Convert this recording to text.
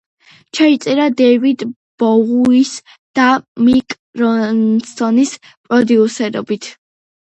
ჩაიწერა დეივიდ ბოუის და მიკ რონსონის პროდიუსერობით.